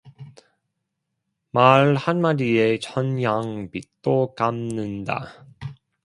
말 한마디에 천냥 빚도 갚는다